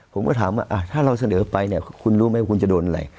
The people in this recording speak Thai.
ผมก็ถามอะไรถ้าเราเสนอไปคุณรู้มั้ยคุณจะโดนอะไร